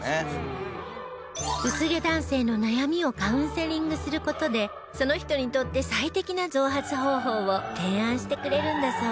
薄毛男性の悩みをカウンセリングする事でその人にとって最適な増髪方法を提案してくれるんだそう